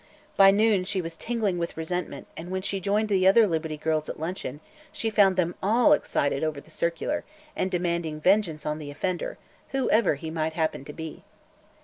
By noon she was tingling with resentment and when she joined the other Liberty Girls at luncheon, she found them all excited over the circular and demanding vengeance on the offender whoever he might happen to be.